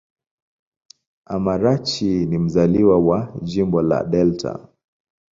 Amarachi ni mzaliwa wa Jimbo la Delta.